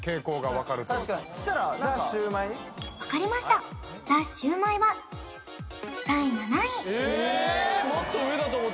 分かりましたザ★シュウマイは第７位えっ！？